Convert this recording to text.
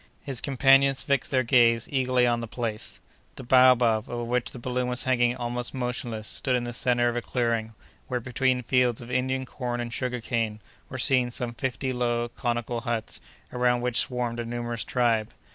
His companions fixed their gaze eagerly on the place. The baobab, over which the balloon was hanging almost motionless, stood in the centre of a clearing, where, between fields of Indian corn and sugar cane, were seen some fifty low, conical huts, around which swarmed a numerous tribe.